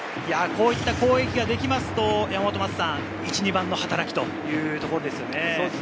こういった攻撃ができると１・２番の働きというところですね。